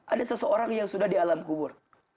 ada seseorang yang sudah di alam kubur